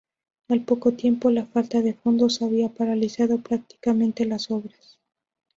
Al poco tiempo, la falta de fondos había paralizado prácticamente las obras.